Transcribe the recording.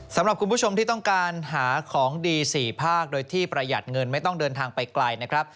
สำหรับคุณผู้ชมที่ต้องการหาของดี๔ภาคโดยที่ประหยัดเงินไม่ต้องเดินทางไปไกลนะครับ